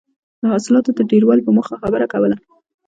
د حاصلاتو د ډېروالي په موخه خبره کوله.